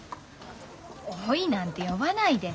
「おい」なんて呼ばないで。